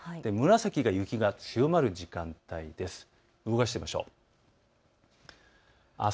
紫が雪が強まる時間帯です。